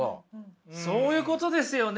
そういうことですよね。